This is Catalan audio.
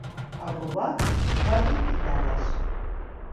El robot: codi i dades.